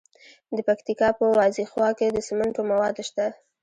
د پکتیکا په وازیخوا کې د سمنټو مواد شته.